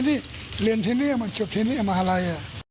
คนนักศึกษามาช่วยเรียนที่นี่มาจบที่นี่มาอะไร